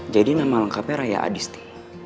jadi nama lengkapnya raya adis nih